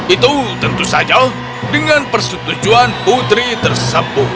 itu tentu saja dengan persetujuan putri tersebut